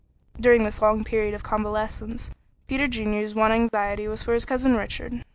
During this long period of convalescence, Peter Junior's one anxiety was for his cousin Richard.